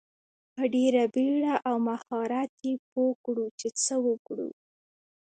په ډیره بیړه او مهارت یې پوه کړو چې څه وکړو.